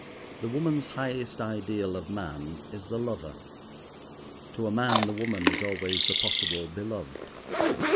The woman's highest ideal of man is the lover; to a man the woman is always the possible beloved.